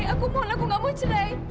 aku mohon aku gak mau cerai